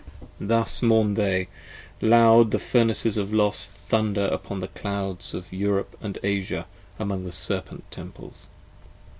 75 Thus mourn they. Loud the Furnaces of Los thunder upon The clouds of Europe & Asia, among the Serpent Temples.